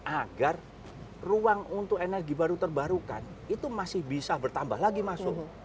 agar ruang untuk energi baru terbarukan itu masih bisa bertambah lagi masuk